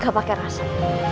ga pake rasa